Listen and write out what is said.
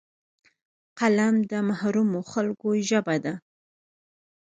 قلم د محرومو خلکو ژبه ده